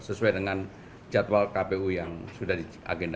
sesuai dengan jadwal kpu yang sudah diagendakan